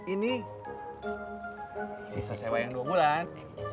ini sisa sewa yang dua bulan